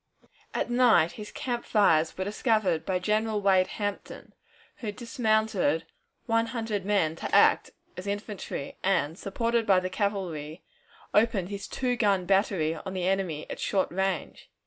At night his camp fires were discovered by General Wade Hampton, who dismounted one hundred men to act as infantry, and, supported by the cavalry, opened his two gun battery upon the enemy at short range.